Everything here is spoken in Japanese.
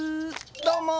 どうも。